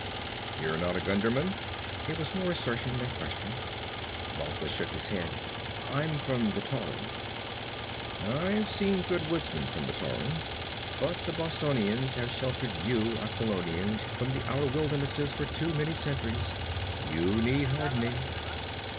'You're not a Gunderman?' It was more assertion than question. Balthus shook his head. 'I'm from the Tauran.' 'I've seen good woodsmen from the Tauran. But the Bossonians have sheltered you Aquilonians from the outer wildernesses for too many centuries. You need hardening.'